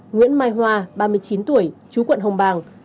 nguyễn mai hoa ba mươi chín tuổi chú quận hồng bàng